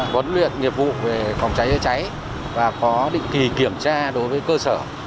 vấn luyện nghiệp vụ về phòng cháy cháy và có định kỳ kiểm tra đối với cơ sở